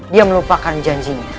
dia melupakan janjinya